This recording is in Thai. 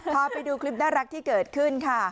พาไปดูคลิปน่ารักที่เกิดขึ้นค่ะ